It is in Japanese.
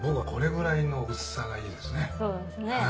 そうですね。